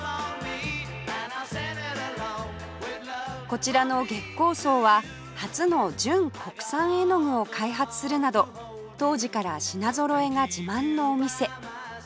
こちらの月光荘は初の純国産絵の具を開発するなど当時から品ぞろえが自慢のお店